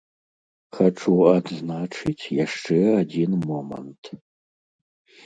Хачу адзначыць яшчэ адзін момант.